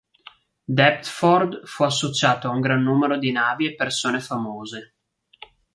Deptford fu associato a un gran numero di navi e persone famose.